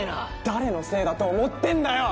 誰のせいだと思ってんだよ！